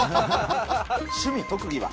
趣味、特技は？